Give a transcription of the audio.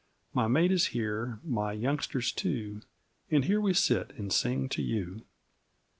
My mate is here, my youngsters, too, And here we sit and sing to you.